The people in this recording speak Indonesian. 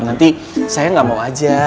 nanti saya nggak mau aja